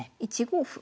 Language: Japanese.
１五歩。